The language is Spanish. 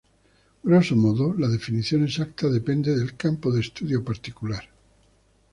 Grosso modo, la definición exacta depende del campo de estudio particular.